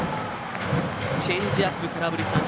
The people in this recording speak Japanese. チェンジアップ空振り三振。